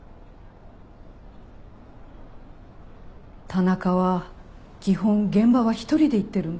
田中は基本現場は一人で行ってるんです。